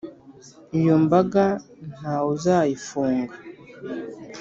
iyo mbaga ntawuzayifunga